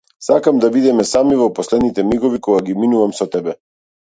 Сакам да бидеме сами во последните мигови кои ги поминувам со тебе.